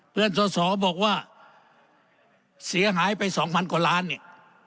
เพื่อนสอสอบอกว่าเสียหายไปสองพันกว่าล้านเนี่ย